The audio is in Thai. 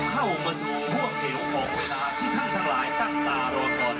เข้ามาสู่ห่วงเร็วของเวลาที่ท่านทั้งหลายตั้งตารอก่อน